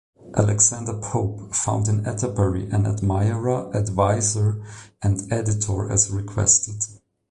Alexander Pope found in Atterbury an admirer, adviser, and editor as requested.